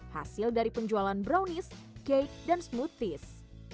hasil dari penjualan brownies kake dan smoothies